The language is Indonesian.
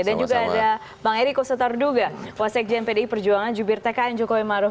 dan juga ada bang eriko setarduga wasek jmpdi perjuangan jubir tkn jokowi maruf